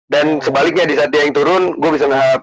dan sebaliknya disaat dia yang turun gue bisa nge up